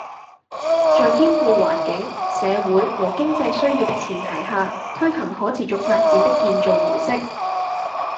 在兼顧環境、社會和經濟需要的前提下，推行可持續發展的建造模式